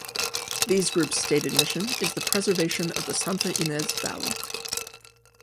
These groups' stated mission is the preservation of the Santa Ynez Valley.